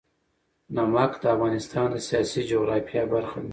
نمک د افغانستان د سیاسي جغرافیه برخه ده.